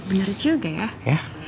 bener juga ya